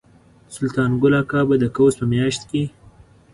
سلطان ګل اکا به د قوس په میاشت کې.